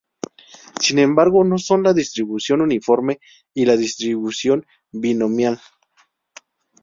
Sin embargo, no lo son la distribución uniforme y la distribución binomial.